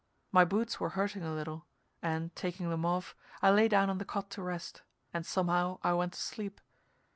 My boots were hurting a little, and, taking them off, I lay down on the cot to rest, and somehow I went to sleep.